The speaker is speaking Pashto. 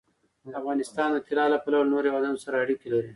افغانستان د طلا له پلوه له نورو هېوادونو سره اړیکې لري.